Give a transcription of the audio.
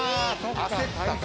焦ったか？